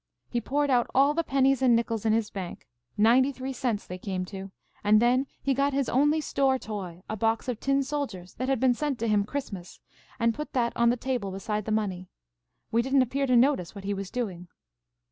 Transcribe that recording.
He poured out all the pennies and nickels in his bank, ninety three cents they came to, and then he got his only store toy, a box of tin soldiers that had been sent to him Christmas, and put that on the table beside the money. We didn't appear to notice what he was doing.